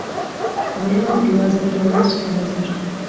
abayahudi baza kureba yesu na lazaro